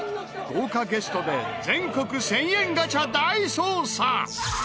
豪華ゲストで全国１０００円ガチャ大捜査！